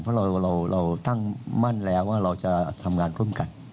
เพราะเราก็จะตั้งมั่นและทำงานร่วมกัน